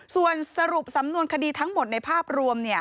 ส่วนสรุปสำนวนคดีทั้งหมดในภาพรวม